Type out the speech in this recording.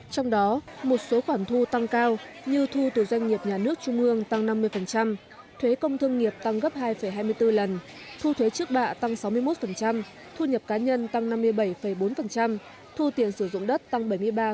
trong đó một số khoản thu tăng cao như thu từ doanh nghiệp nhà nước trung ương tăng năm mươi thuế công thương nghiệp tăng gấp hai hai mươi bốn lần thu thuế trước bạ tăng sáu mươi một thu nhập cá nhân tăng năm mươi bảy bốn thu tiền sử dụng đất tăng bảy mươi ba ba